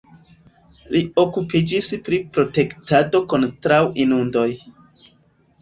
Li okupiĝis pri protektado kontraŭ inundoj.